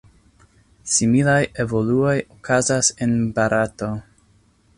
Similaj evoluoj okazas en Barato.